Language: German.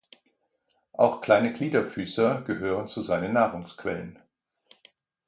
Auch kleine Gliederfüßer gehören zu seinen Nahrungsquellen.